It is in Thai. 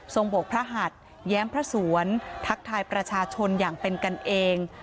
โบกพระหัดแย้มพระสวนทักทายประชาชนอย่างเป็นกันเอง